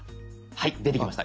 はい出てきました。